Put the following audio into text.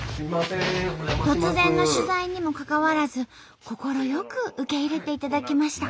突然の取材にもかかわらず快く受け入れていただきました。